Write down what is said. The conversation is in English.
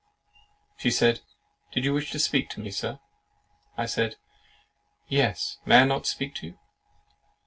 She said, "Did you wish to speak to me, Sir?" I said, "Yes, may I not speak to you?